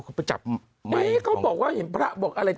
เขาไปจับไหมเขาบอกว่าเห็นพระบอกอะไร